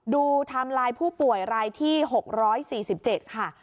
ดูทำลายผู้ป่วยรายที่๖๔๗ค่ะ